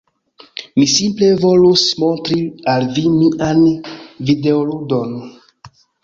Mi simple volus montri al vi mian videoludon.